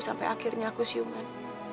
sampai akhirnya aku siuman